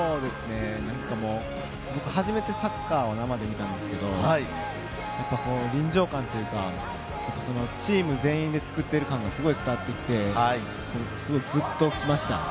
僕、初めてサッカーを生で見たんですけど、臨場感というか、チーム全員でつくっている感がすごく伝わってきて、グッときました。